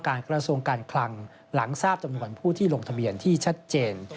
กระทรวงการคลังหลังทราบจำนวนผู้ที่ลงทะเบียนที่ชัดเจน